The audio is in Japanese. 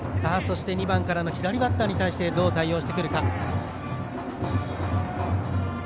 そして２番からの左バッターに対してどう対応してくるか。